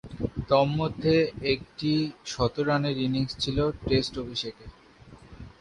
তন্মধ্যে একটি শতরানের ইনিংস ছিল টেস্ট অভিষেকে।